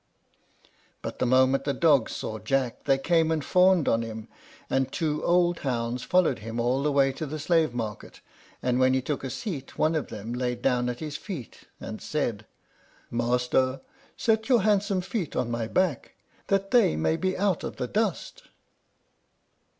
But the moment the dogs saw Jack they came and fawned on him, and two old hounds followed him all the way to the slave market; and when he took a seat one of them laid down at his feet, and said, "Master, set your handsome feet on my back, that they may be out of the dust."